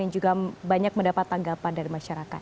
yang juga banyak mendapat tanggapan dari masyarakat